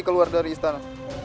keluar dari istana